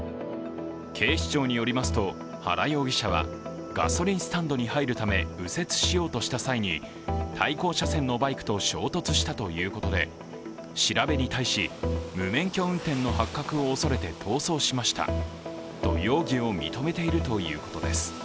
警視庁によりますと、原容疑者はガソリンスタンドに入るため右折しようとした際に対向車線のバイクと衝突したということで調べに対し、無免許運転の発覚を恐れて逃走しましたと容疑を認めているということです。